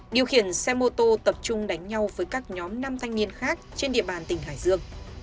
điều khiển xe mô tô tập trung đánh nhau với các nhóm nam thanh niên khác trên địa bàn tỉnh hải dương